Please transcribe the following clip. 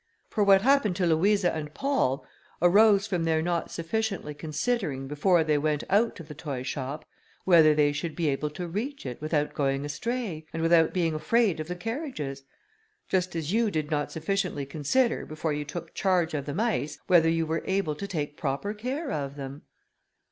For what happened to Louisa and Paul arose from their not sufficiently considering, before they went out to the toy shop, whether they should be able to reach it without going astray, and without being afraid of the carriages; just as you did not sufficiently consider, before you took charge of the mice, whether you were able to take proper care of them."